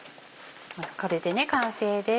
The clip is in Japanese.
これで完成です。